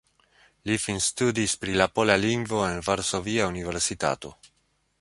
Li finstudis pri la pola lingvo en Varsovia Universitato.